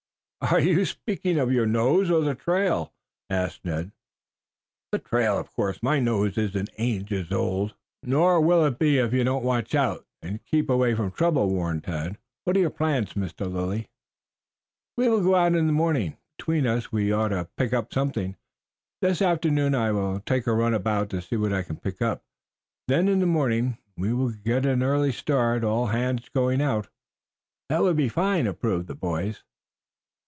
"Are you speaking of your nose or the trail?" asked Ned. "The trail, of course. My nose isn't ages old." "Nor will it be if you don't watch out and keep away from trouble," warned Tad. "What are your plans, Mr. Lilly?" "We will go out in the morning. Between us we ought to pick up something. This afternoon I will take a run about to see what I can pick up; then in the morning we will get an early start, all hands going out." "That will be fine," approved the boys.